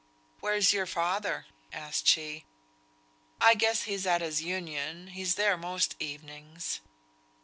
"Where's yo'r father?" asked she. "I guess he's at his Union; he's there most evenings."